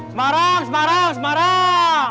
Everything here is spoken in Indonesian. semarang semarang semarang